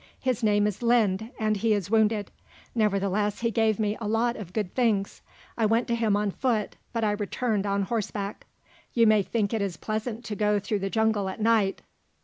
His name is Linde and he is wounded; nevertheless, he gave me a lot of good things. I went to him on foot, but I returned on horseback. You may think it is pleasant to go through the jungle at night.